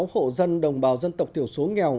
hai mươi sáu hộ dân đồng bào dân tộc tiểu số nghèo